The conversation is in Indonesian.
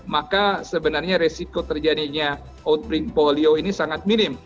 maka sebenarnya resiko terjadinya outpling polio ini sangat minim